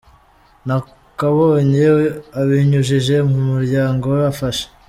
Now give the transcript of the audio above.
Nakabonye abinyujije mu muryango we afasha